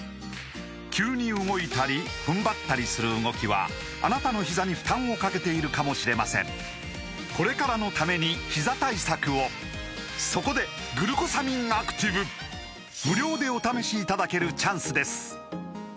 急に動いたり踏ん張ったりする動きはあなたのひざに負担をかけているかもしれませんそこで「グルコサミンアクティブ」無料でお試しいただけるチャンスです